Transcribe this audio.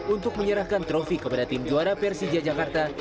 untuk menyerahkan trofi kepada tim juara persija jakarta